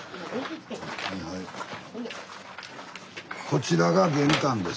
こちらが玄関です。